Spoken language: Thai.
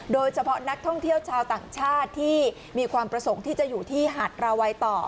โดยเฉพาะนักท่องเที่ยวชาวต่างชาติที่มีความประสงค์ที่จะอยู่ที่หาดราวัยต่อ